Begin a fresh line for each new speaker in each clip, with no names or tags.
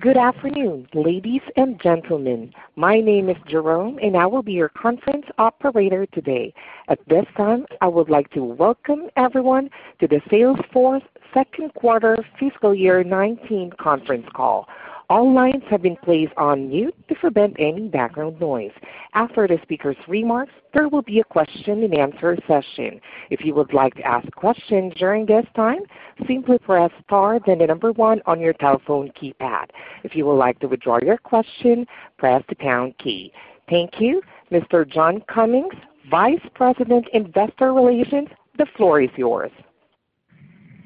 Good afternoon, ladies and gentlemen. My name is Jerome, and I will be your conference operator today. At this time, I would like to welcome everyone to the Salesforce Second Quarter Fiscal Year 2019 conference call. All lines have been placed on mute to prevent any background noise. After the speakers' remarks, there will be a question-and-answer session. If you would like to ask questions during this time, simply press star then 1 on your telephone keypad. If you would like to withdraw your question, press the pound key. Thank you. Mr. John Cummings, Vice President, Investor Relations, the floor is yours.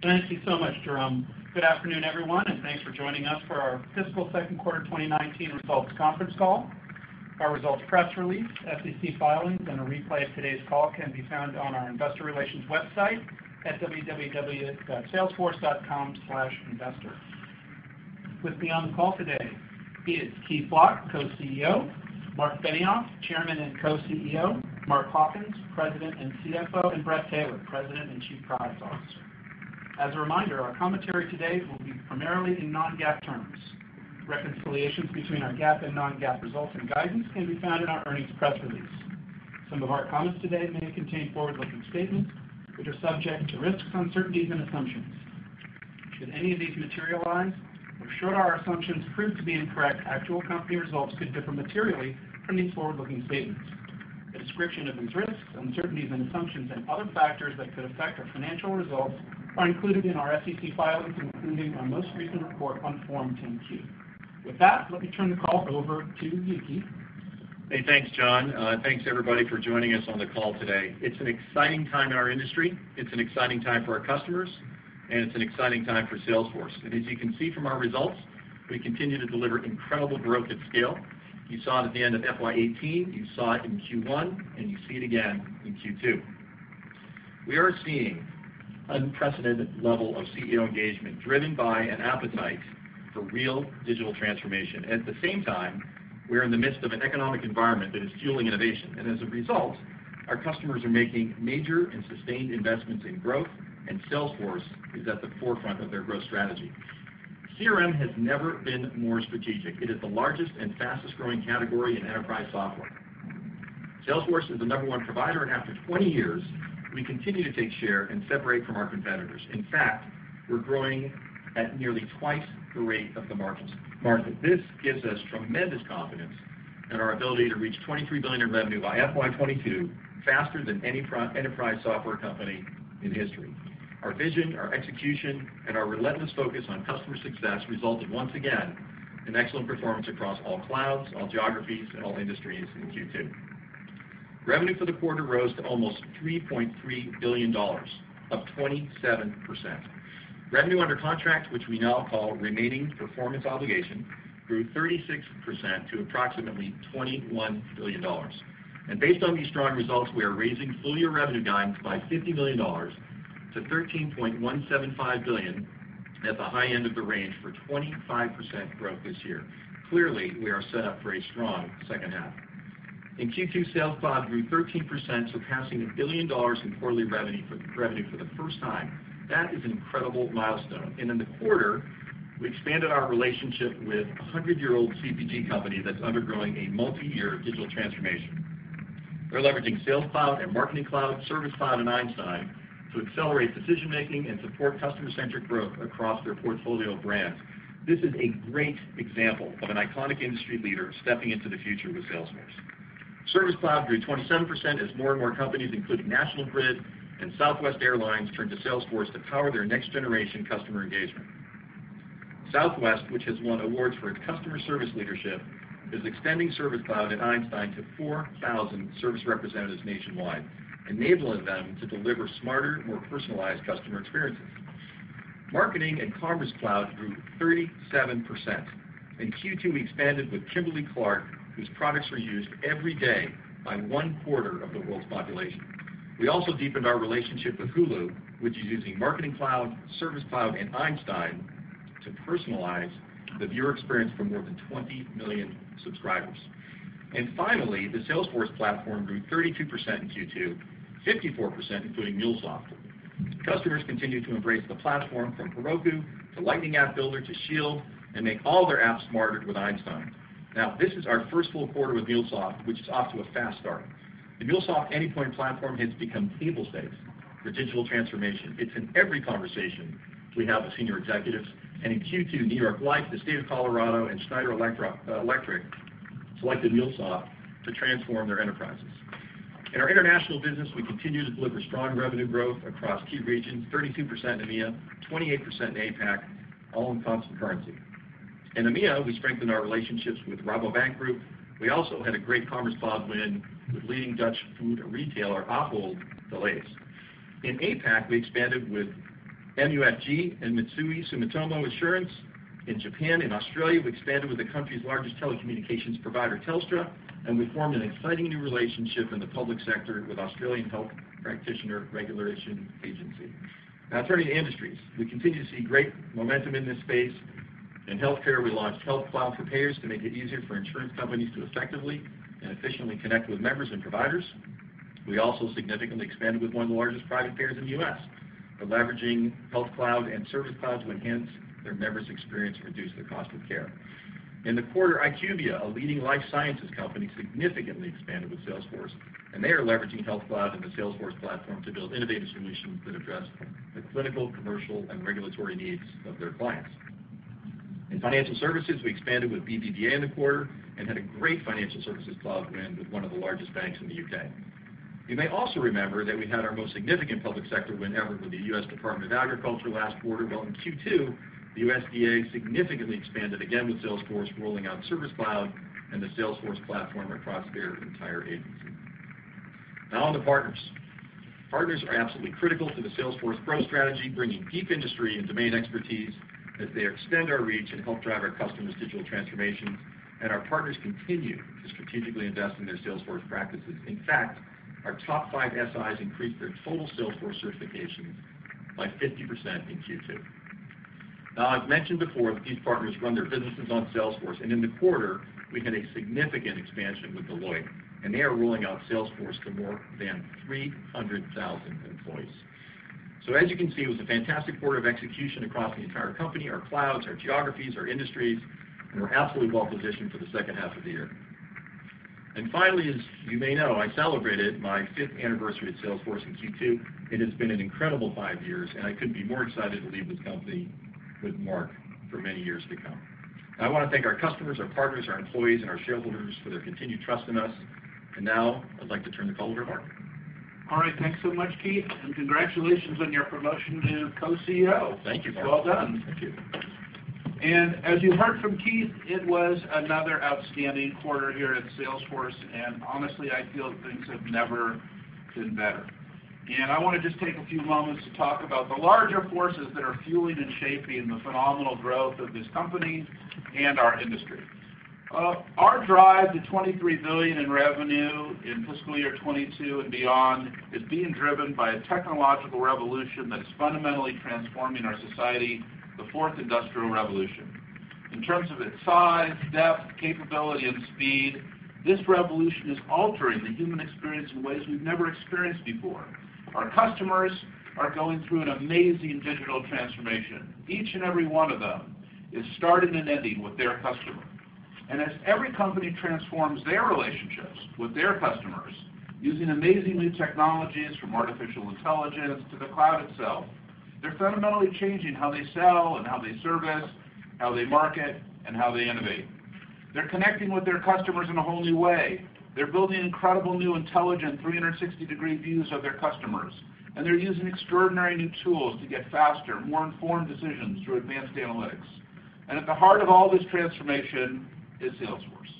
Thank you so much, Jerome. Good afternoon, everyone, thanks for joining us for our fiscal second quarter 2019 results conference call. Our results press release, SEC filings, a replay of today's call can be found on our investor relations website at www.salesforce.com/investor. With me on the call today is Keith Block, Co-CEO, Marc Benioff, Chairman and Co-CEO, Mark Hawkins, President and CFO, and Bret Taylor, President and Chief Product Officer. As a reminder, our commentary today will be primarily in non-GAAP terms. Reconciliations between our GAAP and non-GAAP results and guidance can be found in our earnings press release. Some of our comments today may contain forward-looking statements, which are subject to risks, uncertainties, and assumptions. Should any of these materialize, or should our assumptions prove to be incorrect, actual company results could differ materially from these forward-looking statements. A description of these risks, uncertainties and assumptions and other factors that could affect our financial results are included in our SEC filings, including our most recent report on Form 10-Q. With that, let me turn the call over to you, Keith.
Hey, thanks, John. Thanks, everybody, for joining us on the call today. It's an exciting time in our industry. It's an exciting time for our customers, it's an exciting time for Salesforce. As you can see from our results, we continue to deliver incredible growth and scale. You saw it at the end of FY 2018, you saw it in Q1, you see it again in Q2. We are seeing unprecedented level of CEO engagement driven by an appetite for real digital transformation. At the same time, we're in the midst of an economic environment that is fueling innovation. As a result, our customers are making major and sustained investments in growth, Salesforce is at the forefront of their growth strategy. CRM has never been more strategic. It is the largest and fastest-growing category in enterprise software. Salesforce is the number one provider, after 20 years, we continue to take share and separate from our competitors. In fact, we're growing at nearly twice the rate of the market. This gives us tremendous confidence in our ability to reach $23 billion in revenue by FY 2022 faster than any enterprise software company in history. Our vision, our execution, and our relentless focus on customer success resulted once again in excellent performance across all clouds, all geographies, and all industries in Q2. Revenue for the quarter rose to almost $3.3 billion, up 27%. Revenue under contract, which we now call remaining performance obligation, grew 36% to approximately $21 billion. Based on these strong results, we are raising full-year revenue guidance by $50 million to $13.175 billion at the high end of the range for 25% growth this year. Clearly, we are set up for a strong second half. In Q2, Sales Cloud grew 13%, surpassing $1 billion in quarterly revenue for the first time. That is an incredible milestone. In the quarter, we expanded our relationship with a 100-year-old CPG company that's undergoing a multi-year digital transformation. They're leveraging Sales Cloud, Marketing Cloud, Service Cloud, and Einstein to accelerate decision-making and support customer-centric growth across their portfolio of brands. This is a great example of an iconic industry leader stepping into the future with Salesforce. Service Cloud grew 27% as more and more companies, including National Grid and Southwest Airlines, turned to Salesforce to power their next-generation customer engagement. Southwest, which has won awards for its customer service leadership, is extending Service Cloud and Einstein to 4,000 service representatives nationwide, enabling them to deliver smarter, more personalized customer experiences. Marketing and Commerce Cloud grew 37%. In Q2, we expanded with Kimberly-Clark, whose products are used every day by one-quarter of the world's population. We also deepened our relationship with Hulu, which is using Marketing Cloud, Service Cloud, and Einstein to personalize the viewer experience for more than 20 million subscribers. Finally, the Salesforce Platform grew 32% in Q2, 54% including MuleSoft. Customers continue to embrace the platform from Heroku to Lightning App Builder to Shield and make all their apps smarter with Einstein. Now, this is our first full quarter with MuleSoft, which is off to a fast start. The MuleSoft Anypoint Platform has become table stakes for digital transformation. It's in every conversation we have with senior executives. In Q2, New York Life, the State of Colorado, and Schneider Electric selected MuleSoft to transform their enterprises. In our international business, we continue to deliver strong revenue growth across key regions, 32% in EMEA, 28% in APAC, all in constant currency. In EMEA, we strengthened our relationships with Rabobank Group. We also had a great Commerce Cloud win with leading Dutch food retailer, Ahold Delhaize. In APAC, we expanded with MUFG and Mitsui Sumitomo Insurance. In Japan and Australia, we expanded with the country's largest telecommunications provider, Telstra, and we formed an exciting new relationship in the public sector with Australian Health Practitioner Regulation Agency. Now turning to industries. We continue to see great momentum in this space. In healthcare, we launched Health Cloud for Payers to make it easier for insurance companies to effectively and efficiently connect with members and providers. We also significantly expanded with one of the largest private payers in the U.S., by leveraging Health Cloud and Service Cloud to enhance their members' experience and reduce the cost of care. In the quarter, IQVIA, a leading life sciences company, significantly expanded with Salesforce, and they are leveraging Health Cloud and the Salesforce Platform to build innovative solutions that address the clinical, commercial, and regulatory needs of their clients. In financial services, we expanded with BBVA in the quarter and had a great Financial Services Cloud win with one of the largest banks in the U.K. You may also remember that we had our most significant public sector win ever with the U.S. Department of Agriculture last quarter. In Q2, the USDA significantly expanded again with Salesforce rolling out Service Cloud and the Salesforce Platform across their entire agency. On to partners. Partners are absolutely critical to the Salesforce growth strategy, bringing deep industry and domain expertise as they extend our reach and help drive our customers' digital transformations. Our partners continue to strategically invest in their Salesforce practices. In fact, our top five SIs increased their total Salesforce certifications by 50% in Q2. I've mentioned before that these partners run their businesses on Salesforce, and in the quarter, we had a significant expansion with Deloitte, and they are rolling out Salesforce to more than 300,000 employees. As you can see, it was a fantastic quarter of execution across the entire company, our clouds, our geographies, our industries, and we're absolutely well-positioned for the second half of the year. Finally, as you may know, I celebrated my fifth anniversary at Salesforce in Q2. It has been an incredible five years, and I couldn't be more excited to lead this company with Marc for many years to come. I want to thank our customers, our partners, our employees, and our shareholders for their continued trust in us. Now I'd like to turn the call over to Marc.
All right. Thanks so much, Keith, and congratulations on your promotion to Co-CEO.
Thank you, Marc.
Well done.
Thank you.
As you heard from Keith, it was another outstanding quarter here at Salesforce, and honestly, I feel things have never been better. I want to just take a few moments to talk about the larger forces that are fueling and shaping the phenomenal growth of this company and our industry. Our drive to $23 billion in revenue in fiscal year 2022 and beyond is being driven by a technological revolution that is fundamentally transforming our society, the fourth industrial revolution. In terms of its size, depth, capability, and speed, this revolution is altering the human experience in ways we've never experienced before. Our customers are going through an amazing digital transformation. Each and every one of them is starting and ending with their customer. As every company transforms their relationships with their customers using amazing new technologies from artificial intelligence to the cloud itself, they're fundamentally changing how they sell and how they service, how they market, and how they innovate. They're connecting with their customers in a whole new way. They're building incredible new intelligent 360-degree views of their customers, and they're using extraordinary new tools to get faster, more informed decisions through advanced analytics. At the heart of all this transformation is Salesforce.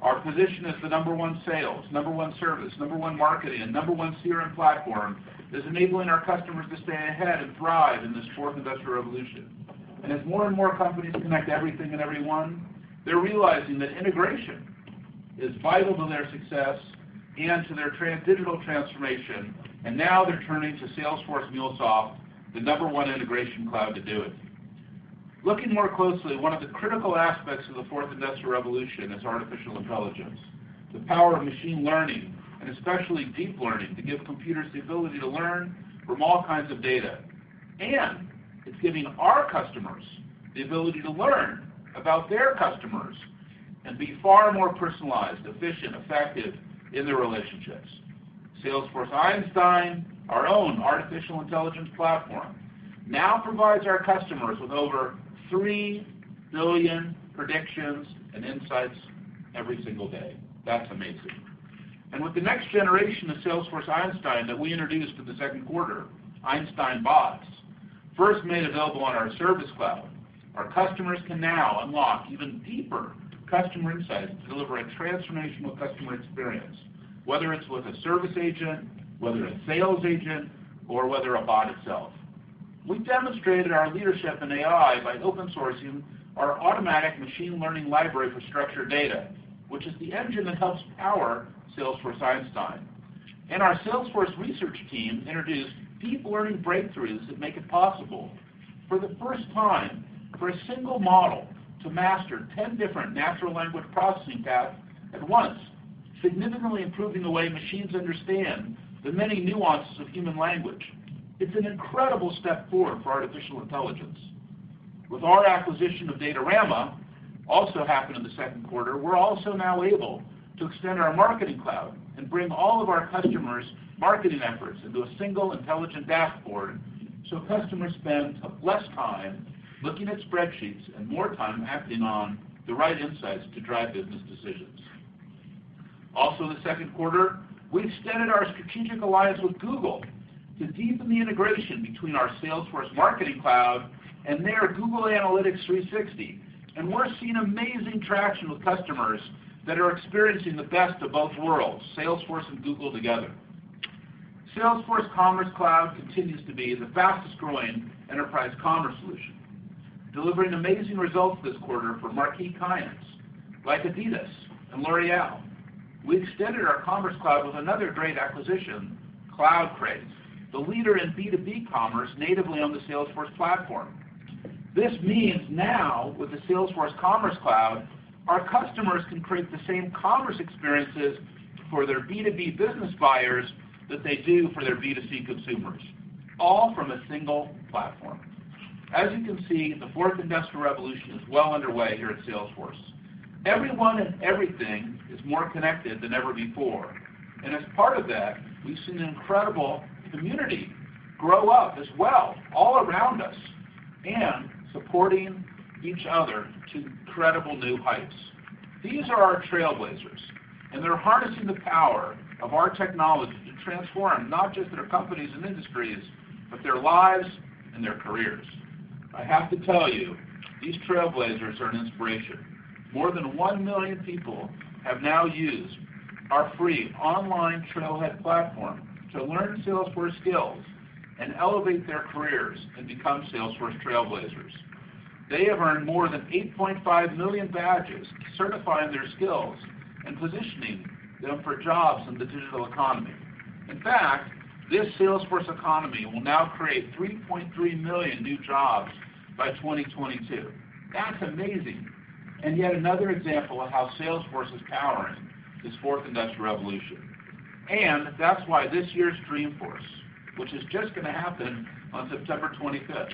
Our position as the number one Sales, number one Service, number one Marketing, and number one CRM platform is enabling our customers to stay ahead and thrive in this fourth industrial revolution. As more and more companies connect everything and everyone, they're realizing that integration is vital to their success and to their digital transformation, now they're turning to Salesforce MuleSoft, the number one Integration Cloud, to do it. Looking more closely, one of the critical aspects of the fourth industrial revolution is artificial intelligence, the power of machine learning, and especially deep learning, to give computers the ability to learn from all kinds of data. It's giving our customers the ability to learn about their customers and be far more personalized, efficient, effective in their relationships. Salesforce Einstein, our own artificial intelligence platform, now provides our customers with over 3 billion predictions and insights every single day. That's amazing. With the next generation of Salesforce Einstein that we introduced for the second quarter, Einstein Bots, first made available on our Service Cloud, our customers can now unlock even deeper customer insights to deliver a transformational customer experience, whether it's with a service agent, whether a sales agent, or whether a bot itself. We've demonstrated our leadership in AI by open sourcing our automatic machine learning library for structured data, which is the engine that helps power Salesforce Einstein. Our Salesforce research team introduced deep learning breakthroughs that make it possible for the first time for a single model to master 10 different natural language processing tasks at once, significantly improving the way machines understand the many nuances of human language. It's an incredible step forward for artificial intelligence. With our acquisition of Datorama, also happened in the second quarter, we're also now able to extend our Marketing Cloud and bring all of our customers' marketing efforts into a single intelligent dashboard, so customers spend less time looking at spreadsheets and more time acting on the right insights to drive business decisions. Also in the second quarter, we extended our strategic alliance with Google to deepen the integration between our Salesforce Marketing Cloud and their Google Analytics 360, and we're seeing amazing traction with customers that are experiencing the best of both worlds, Salesforce and Google together. Salesforce Commerce Cloud continues to be the fastest growing enterprise commerce solution. Delivering amazing results this quarter for marquee clients like Adidas and L'Oréal. We extended our Commerce Cloud with another great acquisition, CloudCraze, the leader in B2B commerce natively on the Salesforce platform. This means now, with the Salesforce Commerce Cloud, our customers can create the same commerce experiences for their B2B business buyers that they do for their B2C consumers, all from a single platform. As you can see, the fourth industrial revolution is well underway here at Salesforce. Everyone and everything is more connected than ever before, and as part of that, we've seen an incredible community grow up as well, all around us, and supporting each other to incredible new heights. These are our trailblazers, and they're harnessing the power of our technology to transform not just their companies and industries, but their lives and their careers. I have to tell you, these trailblazers are an inspiration. More than 1 million people have now used our free online Trailhead platform to learn Salesforce skills and elevate their careers and become Salesforce trailblazers. They have earned more than 8.5 million badges, certifying their skills and positioning them for jobs in the digital economy. In fact, this Salesforce economy will now create 3.3 million new jobs by 2022. That's amazing, and yet another example of how Salesforce is powering this fourth industrial revolution, and that's why this year's Dreamforce, which is just going to happen on September 25th,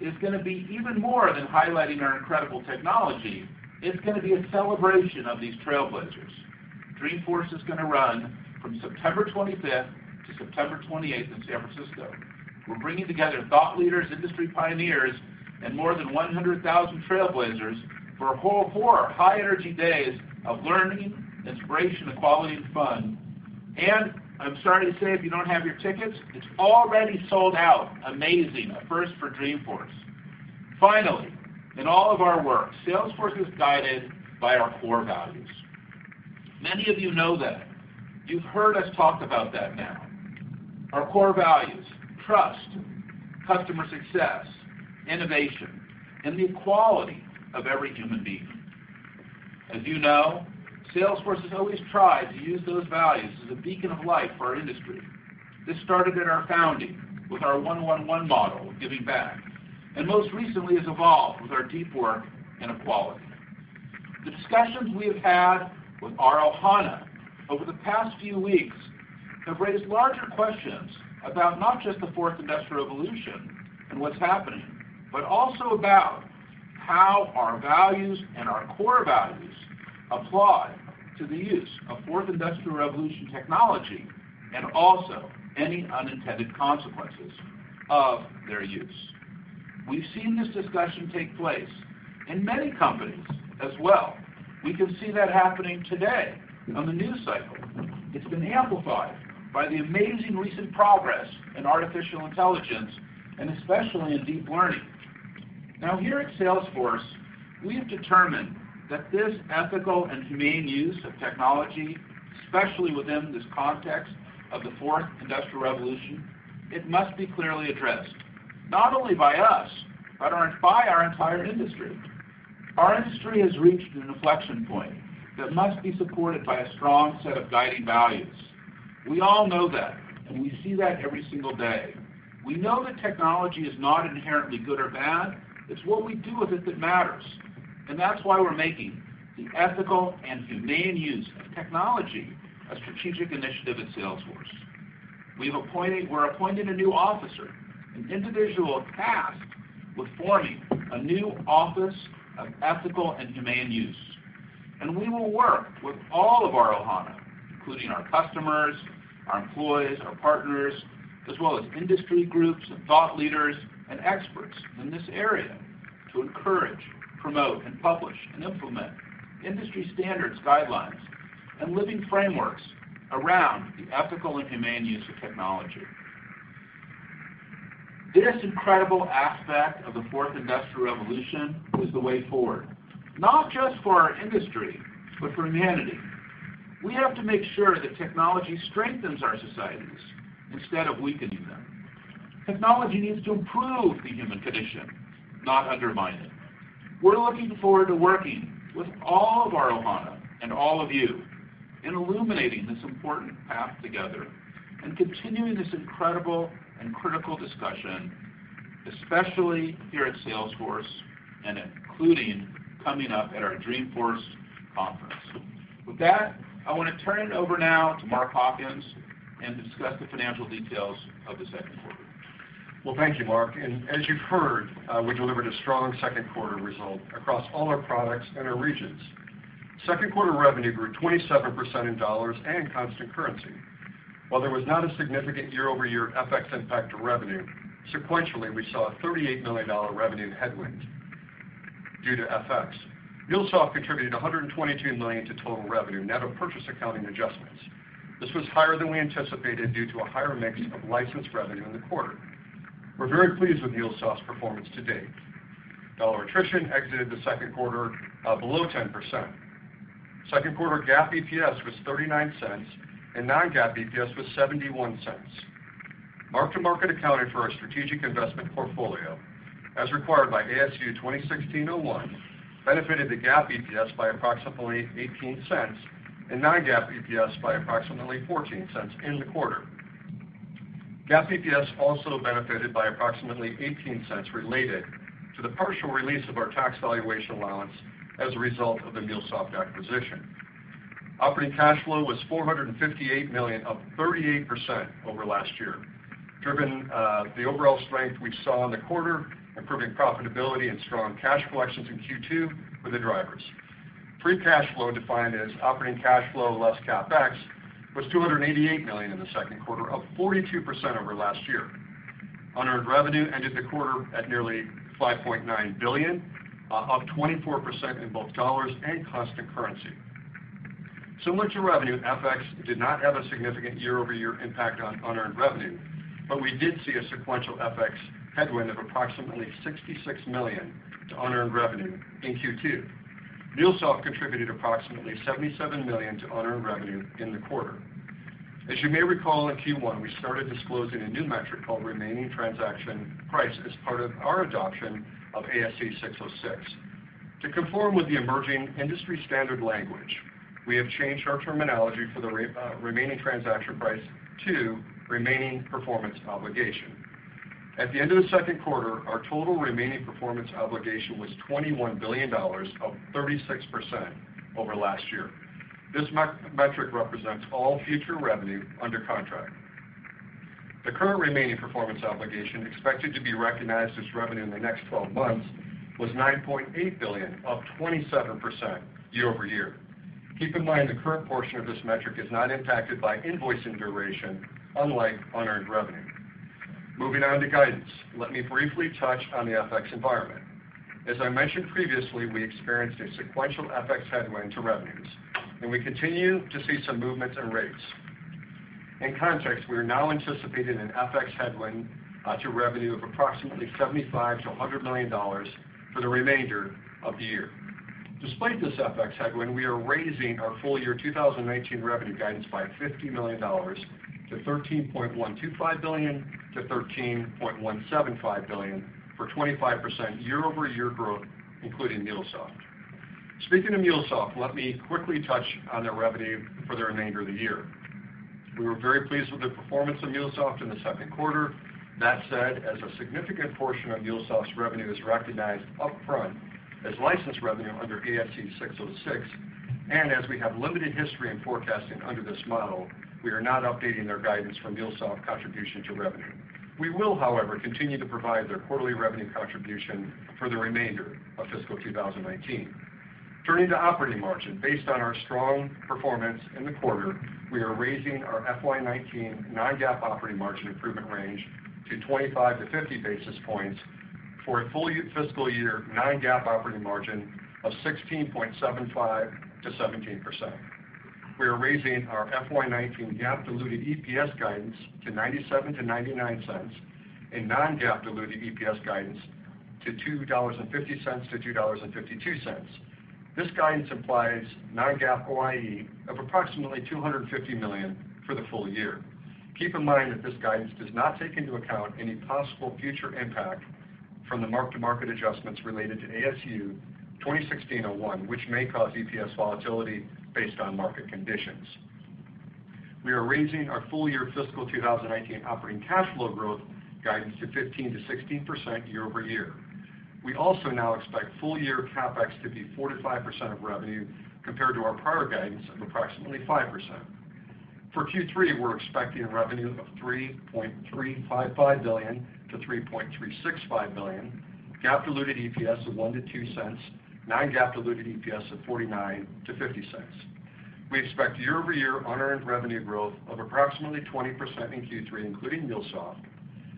is going to be even more than highlighting our incredible technology. It's going to be a celebration of these trailblazers. Dreamforce is going to run from September 25th to September 28th in San Francisco. We're bringing together thought leaders, industry pioneers, and more than 100,000 trailblazers for a whole four high-energy days of learning, inspiration, equality, and fun. I'm sorry to say, if you don't have your tickets, it's already sold out. Amazing. A first for Dreamforce. Finally, in all of our work, Salesforce is guided by our core values. Many of you know that. You've heard us talk about that now. Our core values, trust, customer success, innovation, and the equality of every human being. As you know, Salesforce has always tried to use those values as a beacon of light for our industry. This started at our founding with our 1-1-1 model of giving back, and most recently has evolved with our deep work in equality. The discussions we have had with our Ohana over the past few weeks have raised larger questions about not just the fourth industrial revolution and what's happening, but also about how our values and our core values apply to the use of fourth industrial revolution technology, and also any unintended consequences of their use. We've seen this discussion take place in many companies as well. We can see that happening today on the news cycle. It's been amplified by the amazing recent progress in artificial intelligence and especially in deep learning. Here at Salesforce, we have determined that this ethical and humane use of technology, especially within this context of the fourth industrial revolution, it must be clearly addressed, not only by us, but by our entire industry. Our industry has reached an inflection point that must be supported by a strong set of guiding values. We all know that, and we see that every single day. We know that technology is not inherently good or bad. It's what we do with it that matters, and that's why we're making the ethical and humane use of technology a strategic initiative at Salesforce. We're appointing a new officer, an individual tasked with forming a new office of ethical and humane use, and we will work with all of our Ohana, including our customers, our employees, our partners, as well as industry groups and thought leaders and experts in this area to encourage, promote, and publish and implement industry standards, guidelines, and living frameworks around the ethical and humane use of technology. This incredible aspect of the fourth industrial revolution is the way forward, not just for our industry, but for humanity. We have to make sure that technology strengthens our societies instead of weakening them. Technology needs to improve the human condition, not undermine it. We're looking forward to working with all of our Ohana and all of you in illuminating this important path together and continuing this incredible and critical discussion, especially here at Salesforce, and including coming up at our Dreamforce conference. With that, I want to turn it over now to Mark Hawkins and discuss the financial details of the second quarter.
Well, thank you, Mark. As you've heard, we delivered a strong second quarter result across all our products and our regions. Second quarter revenue grew 27% in dollars and constant currency. While there was not a significant year-over-year FX impact to revenue, sequentially, we saw a $38 million revenue headwind due to FX. MuleSoft contributed $122 million to total revenue, net of purchase accounting adjustments. This was higher than we anticipated due to a higher mix of licensed revenue in the quarter. We're very pleased with MuleSoft's performance to date. Dollar attrition exited the second quarter below 10%. Second quarter GAAP EPS was $0.39 and non-GAAP EPS was $0.71. Mark-to-market accounting for our strategic investment portfolio, as required by ASU 2016-01, benefited the GAAP EPS by approximately $0.18 and non-GAAP EPS by approximately $0.14 in the quarter. GAAP EPS also benefited by approximately $0.18 related to the partial release of our tax valuation allowance as a result of the MuleSoft acquisition. Operating cash flow was $458 million, up 38% over last year, driven the overall strength we saw in the quarter, improving profitability and strong cash collections in Q2 were the drivers. Free cash flow, defined as operating cash flow less CapEx, was $288 million in the second quarter, up 42% over last year. Unearned revenue ended the quarter at nearly $5.9 billion, up 24% in both dollars and constant currency. Similar to revenue, FX did not have a significant year-over-year impact on unearned revenue, but we did see a sequential FX headwind of approximately $66 million to unearned revenue in Q2. MuleSoft contributed approximately $77 million to unearned revenue in the quarter. As you may recall, in Q1, we started disclosing a new metric called remaining transaction price as part of our adoption of ASC 606. To conform with the emerging industry standard language, we have changed our terminology for the remaining transaction price to remaining performance obligation. At the end of the second quarter, our total remaining performance obligation was $21 billion, up 36% over last year. This metric represents all future revenue under contract. The current remaining performance obligation expected to be recognized as revenue in the next 12 months was $9.8 billion, up 27% year-over-year. Keep in mind the current portion of this metric is not impacted by invoicing duration, unlike unearned revenue. Moving on to guidance. Let me briefly touch on the FX environment. As I mentioned previously, we experienced a sequential FX headwind to revenues, we continue to see some movements and rates. In context, we are now anticipating an FX headwind to revenue of approximately $75 million to $100 million for the remainder of the year. Despite this FX headwind, we are raising our full year 2019 revenue guidance by $50 million to $13.125 billion to $13.175 billion for 25% year-over-year growth, including MuleSoft. Speaking of MuleSoft, let me quickly touch on their revenue for the remainder of the year. We were very pleased with the performance of MuleSoft in the second quarter. That said, as a significant portion of MuleSoft's revenue is recognized upfront as licensed revenue under ASC 606, as we have limited history in forecasting under this model, we are not updating our guidance for MuleSoft contribution to revenue. We will, however, continue to provide their quarterly revenue contribution for the remainder of fiscal 2019. Turning to operating margin. Based on our strong performance in the quarter, we are raising our FY 2019 non-GAAP operating margin improvement range to 25 to 50 basis points for a full fiscal year non-GAAP operating margin of 16.75%-17%. We are raising our FY 2019 GAAP diluted EPS guidance to $0.97-$0.99 and non-GAAP diluted EPS guidance to $2.50-$2.52. This guidance implies non-GAAP OIE of approximately $250 million for the full year. Keep in mind that this guidance does not take into account any possible future impact from the mark-to-market adjustments related to ASU 2016-01, which may cause EPS volatility based on market conditions. We are raising our full-year fiscal 2019 operating cash flow growth guidance to 15%-16% year-over-year. We also now expect full-year CapEx to be 4%-5% of revenue, compared to our prior guidance of approximately 5%. For Q3, we're expecting revenue of $3.355 billion-$3.365 billion, GAAP diluted EPS of $0.01-$0.02, non-GAAP diluted EPS of $0.49-$0.50. We expect year-over-year unearned revenue growth of approximately 20% in Q3, including MuleSoft.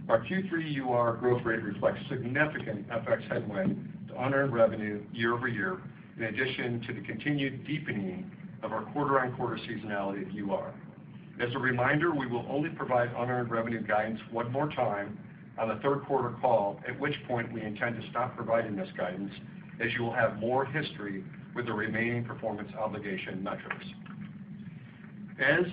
Our Q3 UR growth rate reflects significant FX headwind to unearned revenue year-over-year, in addition to the continued deepening of our quarter-on-quarter seasonality of UR. As a reminder, we will only provide unearned revenue guidance one more time on the third quarter call, at which point we intend to stop providing this guidance, as you will have more history with the remaining performance obligation metrics. As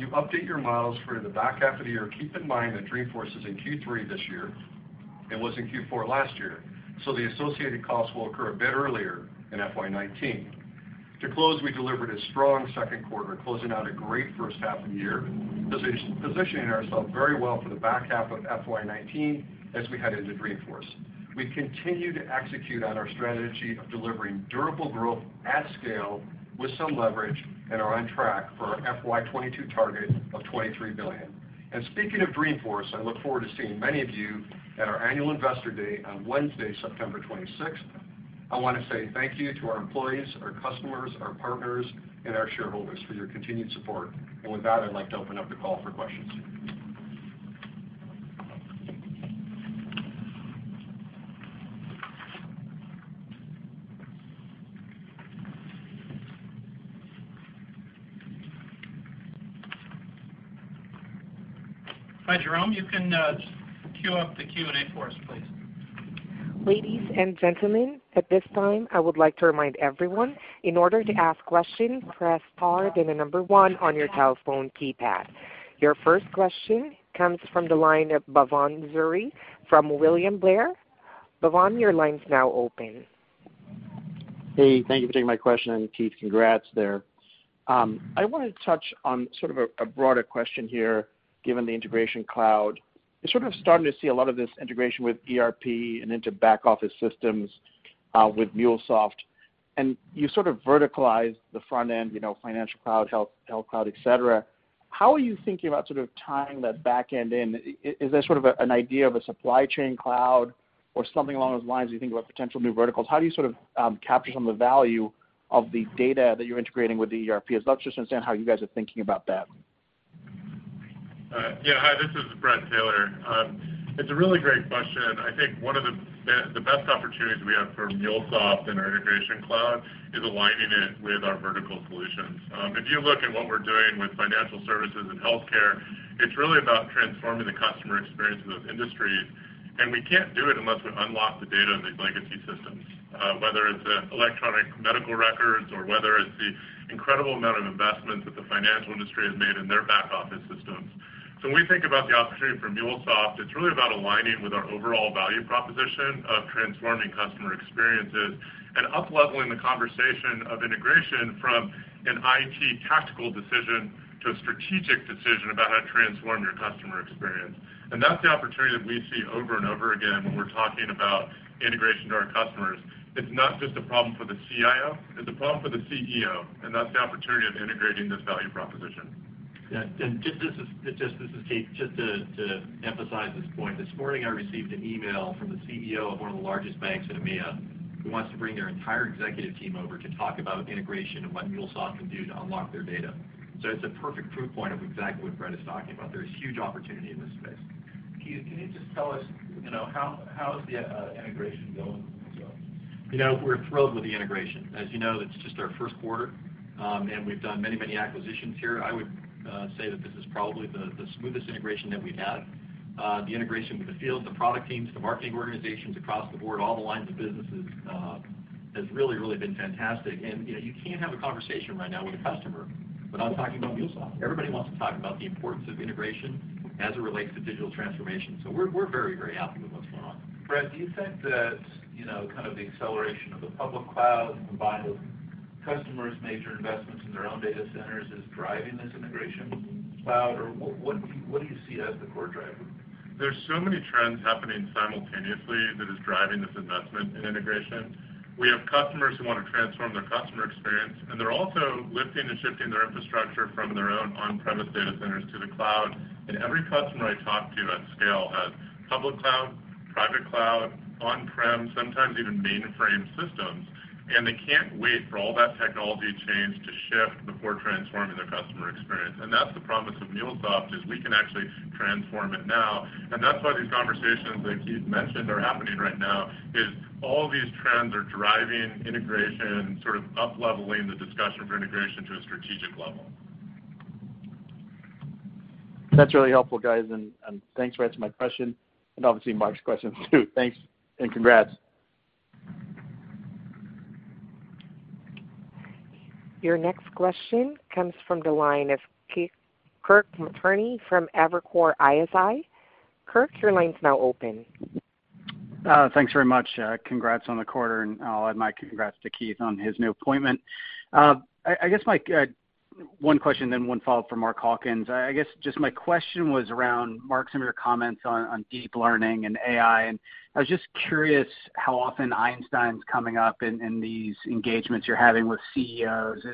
you update your models for the back half of the year, keep in mind that Dreamforce is in Q3 this year and was in Q4 last year, so the associated costs will occur a bit earlier in FY 2019. To close, we delivered a strong second quarter, closing out a great first half of the year, positioning ourselves very well for the back half of FY 2019 as we head into Dreamforce. We continue to execute on our strategy of delivering durable growth at scale with some leverage and are on track for our FY 2022 target of $23 billion. Speaking of Dreamforce, I look forward to seeing many of you at our annual investor day on Wednesday, September 26th. I want to say thank you to our employees, our customers, our partners, and our shareholders for your continued support. With that, I'd like to open up the call for questions.
Hi, Jerome. You can queue up the Q&A for us, please.
Ladies and gentlemen, at this time, I would like to remind everyone, in order to ask questions, press star, then the number 1 on your telephone keypad. Your first question comes from the line of Bhavan Suri from William Blair. Bhavan, your line's now open.
Hey, thank you for taking my question, Keith, congrats there. I want to touch on sort of a broader question here, given the Integration Cloud. You're sort of starting to see a lot of this integration with ERP and into back office systems with MuleSoft, and you sort of verticalized the front end, Financial Cloud, Health Cloud, et cetera. How are you thinking about sort of tying that back end in? Is there sort of an idea of a supply chain cloud or something along those lines you think about potential new verticals? How do you sort of capture some of the value of the data that you're integrating with the ERP? I'd love to just understand how you guys are thinking about that.
Hi, this is Bret Taylor. It's a really great question. I think one of the best opportunities we have for MuleSoft and our Integration Cloud is aligning it with our vertical solutions. If you look at what we're doing with financial services and healthcare, it's really about transforming the customer experiences of industries, and we can't do it unless we unlock the data in the legacy systems, whether it's the electronic medical records or whether it's the incredible amount of investment that the financial industry has made in their back office systems. When we think about the opportunity for MuleSoft, it's really about aligning with our overall value proposition of transforming customer experiences and upleveling the conversation of integration from an IT tactical decision to a strategic decision about how to transform your customer experience. That's the opportunity that we see over and over again when we're talking about integration to our customers. It's not just a problem for the CIO, it's a problem for the CEO, that's the opportunity of integrating this value proposition.
Yeah. This is Keith. Just to emphasize this point, this morning, I received an email from the CEO of one of the largest banks in EMEA, who wants to bring their entire executive team over to talk about integration and what MuleSoft can do to unlock their data. It's a perfect proof point of exactly what Bret is talking about. There's huge opportunity in this space.
Keith, can you just tell us, how is the integration going with MuleSoft?
We're thrilled with the integration. As you know, it's just our first quarter, and we've done many acquisitions here. I would say that this is probably the smoothest integration that we've had. The integration with the field, the product teams, the marketing organizations across the board, all the lines of businesses, has really been fantastic. You can't have a conversation right now with a customer without talking about MuleSoft. Everybody wants to talk about the importance of integration as it relates to digital transformation. We're very happy with what's going on.
Bret, do you think that kind of the acceleration of the public cloud combined with customers' major investments in their own data centers is driving this Integration Cloud, or what do you see as the core driver?
There's so many trends happening simultaneously that is driving this investment in integration. We have customers who want to transform their customer experience, and they're also lifting and shifting their infrastructure from their own on-premise data centers to the cloud. Every customer I talk to at scale has public cloud, private cloud, on-prem, sometimes even mainframe systems, and they can't wait for all that technology change to shift before transforming their customer experience. That's the promise of MuleSoft, is we can actually transform it now. That's why these conversations, like Keith mentioned, are happening right now, is all these trends are driving integration, sort of upleveling the discussion for integration to a strategic level.
That's really helpful, guys, and thanks, Bret, to my question, and obviously Marc's questions, too. Thanks and congrats.
Your next question comes from the line of Kirk Materne from Evercore ISI. Kirk, your line's now open.
Thanks very much. Congrats on the quarter, and I'll add my congrats to Keith on his new appointment. I guess my one question, then one follow-up for Mark Hawkins. I guess just my question was around, Mark, some of your comments on deep learning and AI, and I was just curious how often Einstein's coming up in these engagements you're having with CEOs.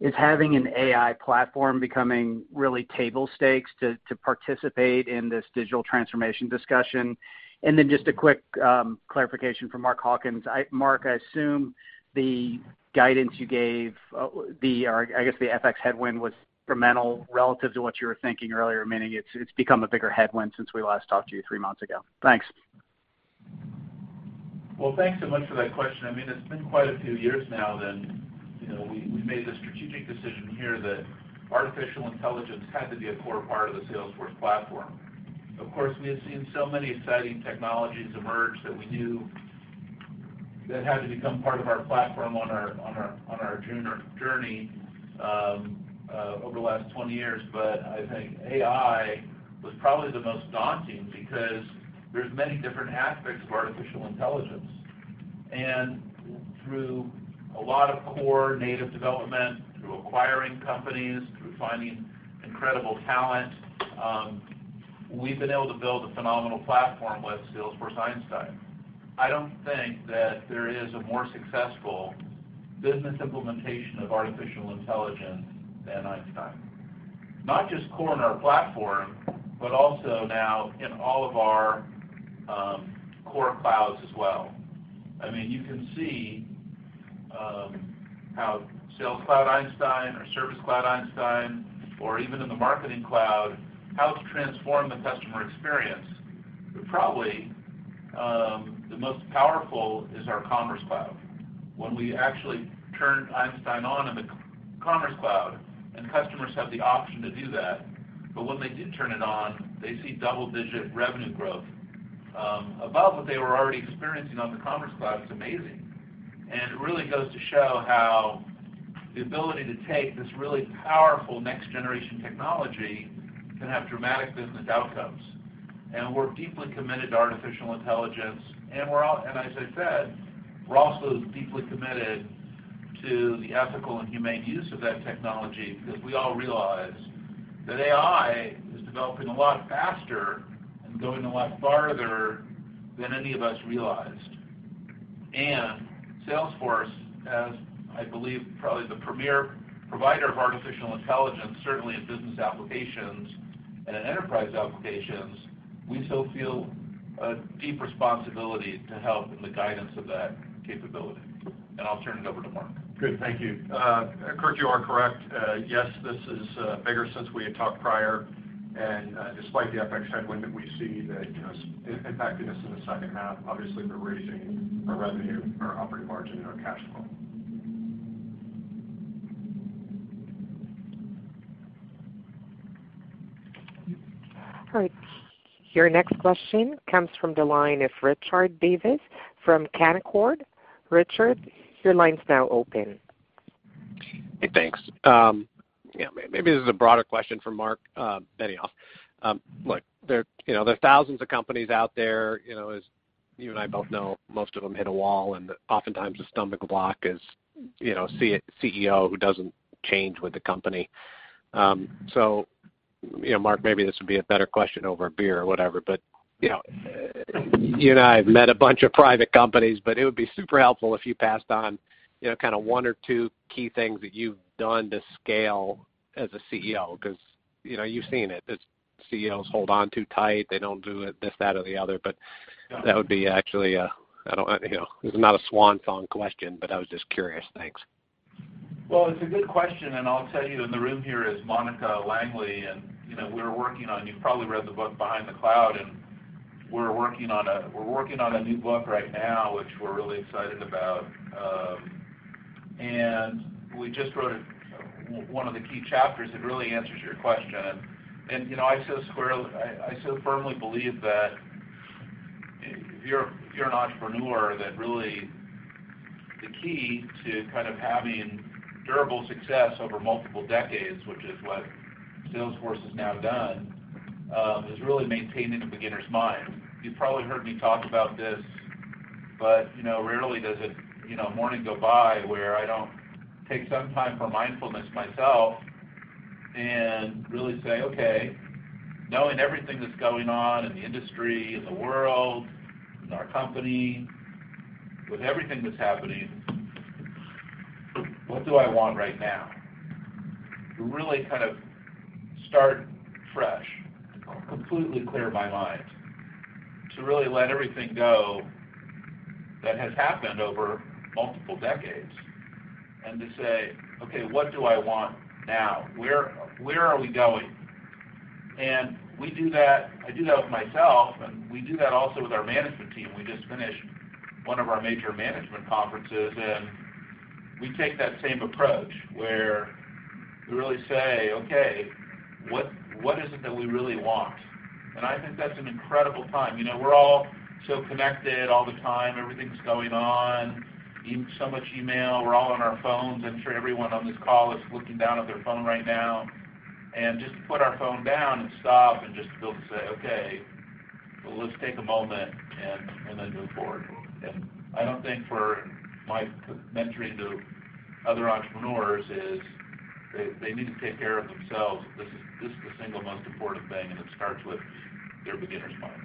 Is having an AI platform becoming really table stakes to participate in this digital transformation discussion? Just a quick clarification for Mark Hawkins. Mark, I assume the guidance you gave, or I guess the FX headwind was incremental relative to what you were thinking earlier, meaning it's become a bigger headwind since we last talked to you three months ago. Thanks.
Well, thanks so much for that question. It's been quite a few years now that we made the strategic decision here that artificial intelligence had to be a core part of the Salesforce Platform. Of course, we have seen so many exciting technologies emerge that we knew that had to become part of our platform on our journey over the last 20 years. I think AI was probably the most daunting because there's many different aspects of artificial intelligence. Through a lot of core native development, through acquiring companies, through finding incredible talent, we've been able to build a phenomenal platform with Salesforce Einstein. I don't think that there is a more successful business implementation of artificial intelligence than Einstein. Not just core in our platform, but also now in all of our core clouds as well. You can see how Sales Cloud Einstein, or Service Cloud Einstein, or even in the Marketing Cloud, how it's transformed the customer experience. We're probably The most powerful is our Commerce Cloud. When we actually turn Einstein on in the Commerce Cloud, customers have the option to do that, but when they do turn it on, they see double-digit revenue growth above what they were already experiencing on the Commerce Cloud. It's amazing. It really goes to show how the ability to take this really powerful next-generation technology can have dramatic business outcomes. We're deeply committed to artificial intelligence, as I said, we're also deeply committed to the ethical and humane use of that technology because we all realize that AI is developing a lot faster and going a lot farther than any of us realized. Salesforce, as I believe probably the premier provider of artificial intelligence, certainly in business applications and in enterprise applications, we still feel a deep responsibility to help in the guidance of that capability. I'll turn it over to Mark.
Good. Thank you. Kirk, you are correct. Yes, this is bigger since we had talked prior, and despite the FX headwind that we see that impacting us in the second half, obviously we're raising our revenue, our operating margin, and our cash flow.
All right. Your next question comes from the line of Richard Davis from Canaccord. Richard, your line's now open.
Hey, thanks. Maybe this is a broader question for Marc Benioff. Look, there are thousands of companies out there, as you and I both know, most of them hit a wall, and oftentimes the stumbling block is CEO who doesn't change with the company. Marc, maybe this would be a better question over a beer or whatever, but you and I have met a bunch of private companies, but it would be super helpful if you passed on one or two key things that you've done to scale as a CEO, because you've seen it, that CEOs hold on too tight. They don't do this, that, or the other. That would be actually, this is not a swan song question, but I was just curious. Thanks.
It's a good question, and I'll tell you, in the room here is Monica Langley, and we're working on, you've probably read the book "Behind the Cloud," and we're working on a new book right now, which we're really excited about. We just wrote one of the key chapters that really answers your question. I so firmly believe that if you're an entrepreneur that really, the key to kind of having durable success over multiple decades, which is what Salesforce has now done, is really maintaining a beginner's mind. You've probably heard me talk about this, but rarely does a morning go by where I don't take some time for mindfulness myself and really say, okay, knowing everything that's going on in the industry, in the world, in our company, with everything that's happening, what do I want right now? To really kind of start fresh, completely clear my mind, to really let everything go that has happened over multiple decades, and to say, okay, what do I want now? Where are we going? I do that with myself, and we do that also with our management team. We just finished one of our major management conferences, and we take that same approach, where we really say, okay, what is it that we really want? I think that's an incredible time. We're all so connected all the time. Everything's going on, so much email. We're all on our phones. I'm sure everyone on this call is looking down at their phone right now. Just to put our phone down and stop and just be able to say, okay, let's take a moment, and then move forward. I don't think for my mentoring to other entrepreneurs is, they need to take care of themselves. This is the single most important thing, and it starts with their beginner's mind.